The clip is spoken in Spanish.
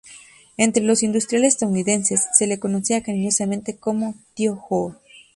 Entre los industriales estadounidenses, se le conocía cariñosamente como "tío Joe".